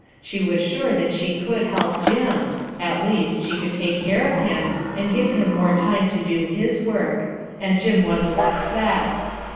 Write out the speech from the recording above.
She was sure that she could help Jim ; at least, she could take care of him, and give him more time to do his work; and Jim was a success.